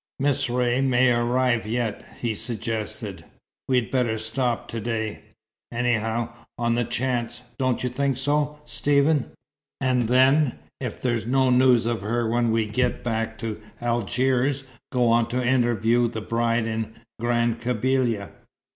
"Miss Ray may arrive yet," he suggested. "We'd better stop to day, anyhow, on the chance; don't you think so, Stephen? and then, if there's no news of her when we get back to Algiers, go on to interview the bride in Grand Kabylia?"